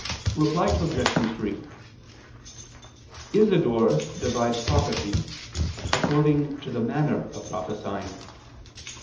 Reply Obj. 3: Isidore divides prophecy according to the manner of prophesying.